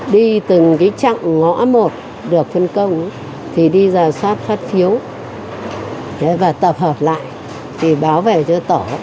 đi từng cái chặng ngõ một được phân công thì đi giả soát phát phiếu và tập hợp lại thì báo về cho tổ